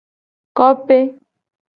Kope.